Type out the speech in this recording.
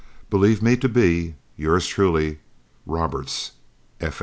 "Believe me to be, "Yours truly, "ROBERTS, F.